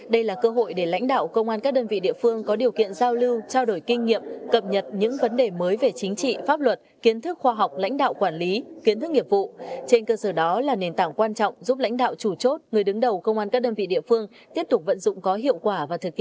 đây là cơ hội để lãnh đạo công an các đơn vị địa phương có điều kiện giao lưu trao đổi kinh nghiệm cập nhật những vấn đề mới về chính trị pháp luật kiến thức khoa học lãnh đạo quản lý kiến thức nghiệp vụ